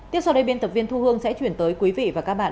tiếp sau đây biên tập viên thu hương sẽ chuyển tới quý vị và các bạn